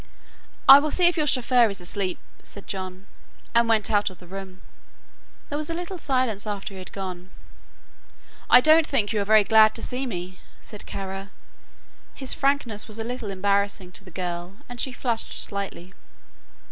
"I will see if your chauffeur is asleep," said John, and went out of the room. There was a little silence after he had gone. "I don't think you are very glad to see me," said Kara. His frankness was a little embarrassing to the girl and she flushed slightly.